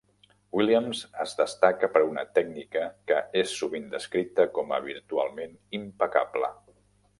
Williams es destaca per una tècnica que és sovint descrita com a virtualment impecable.